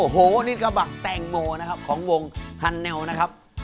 โอ้โหนี่กระบะแตงโมนะครับของวงฮันเนลนะครับ